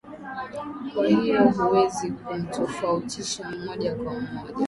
kwa hiyo huwezi kumtofautisha moja kwa moja